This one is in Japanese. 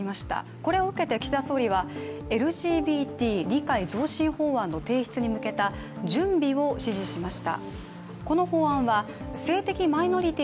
これを受けて岸田総理は、ＬＧＢＴ理解増進法案の提出に向けた準備を指示しました。